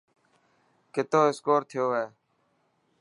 ڪتو اسڪور ٿيو هي.